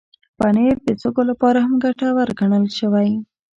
پنېر د سږو لپاره هم ګټور ګڼل شوی.